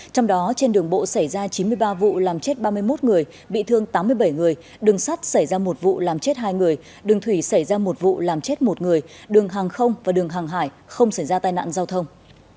trong đó trên đường bộ xảy ra chín mươi ba vụ làm chết ba mươi một người bị thương tám mươi bảy người đường sắt xảy ra một vụ làm chết hai người đường thủy xảy ra một vụ làm chết một người đường hàng không và đường hàng hải không xảy ra tai nạn giao thông